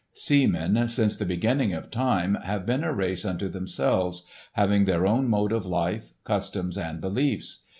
Seamen, since the beginning of time, have been a race unto themselves, having their own mode of life, customs and beliefs.